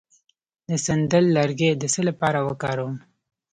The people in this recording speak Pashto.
د سندل لرګی د څه لپاره وکاروم؟